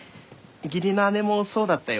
義理の姉もそうだったよ。